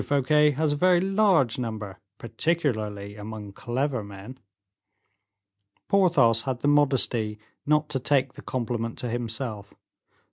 Fouquet has a very large number, particularly among clever men." Porthos had the modesty not to take the compliment to himself.